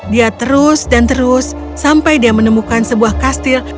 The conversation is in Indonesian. dia terus dan terus sampai dia menemukan sebuah kastil